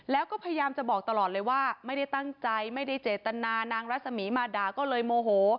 แล้วก็พยายามจะบอกตลอดเลยว่าไม่ได้ตั้งใจไม่ได้เจตนานางรัศมีร์มาด่าก็เลยโมโห